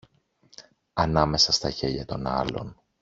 Ανάμεσα στα γέλια των άλλων